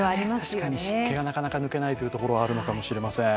確かに湿気がなかなか抜けないというところはあるのかもしれません。